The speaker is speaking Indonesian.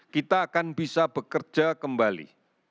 kita akan bisa bekerja kembali